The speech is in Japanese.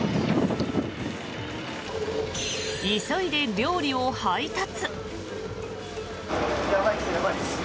急いで料理を配達。